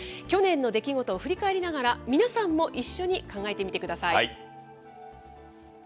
去年の出来事を振り返りながら、皆さんも一緒に考えてみてください。